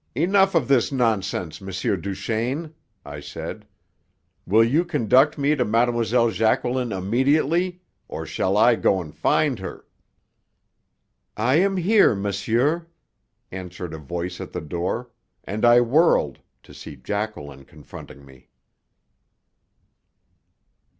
"Enough of this nonsense, M. Duchaine," I said. "Will you conduct me to Mlle. Jacqueline immediately, or shall I go and find her?" "I am here, monsieur," answered a voice at the door; and I whirled, to see Jacqueline confronting me.